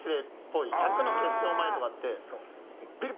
１００の決勝前とかって。